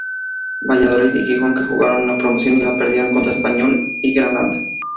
Valladolid y Gijón, que jugaron la promoción y la perdieron contra: Español y Granada.